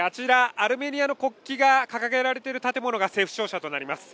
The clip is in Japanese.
アルメリアの国旗が掲げられている建物が政府庁舎となります